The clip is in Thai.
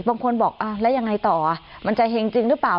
บางคนบอกแล้วยังไงต่อมันจะเห็งจริงหรือเปล่า